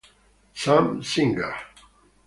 Sam Singer